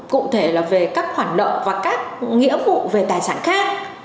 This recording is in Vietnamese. cụ thể là về các khoản nợ và các nghĩa vụ về tài sản khác